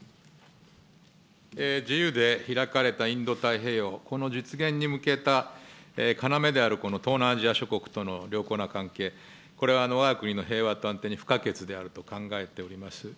自由でひらかれたインド太平洋、この実現に向けた要である、この東南アジア諸国との良好な関係、これはわが国の平和と安定に不可欠であると考えております。